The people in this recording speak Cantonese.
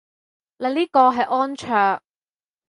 你呢個係安卓